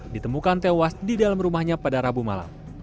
ditemukan tewas di dalam rumahnya pada rabu malam